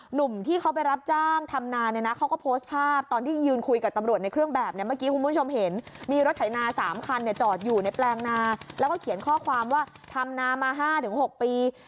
หนุ่มที่เขาไปรับจ้างทำนาเขาก็โพสต์ภาพ